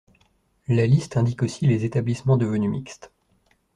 La liste indique aussi les établissements devenus mixtes.